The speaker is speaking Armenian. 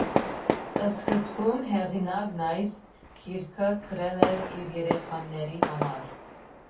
Սկզբում հեղինակն այս գիրքը գրել էր իր երեխաների համար։